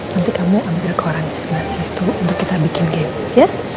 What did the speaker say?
nanti kamu ambil ke orang disana sih untuk kita bikin games ya